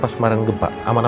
aku ruang netra